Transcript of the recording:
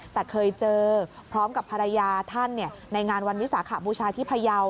แต่เคยเจอพร้อมกับภรรยาท่านในงานวันวิสาขบูชาที่พยาว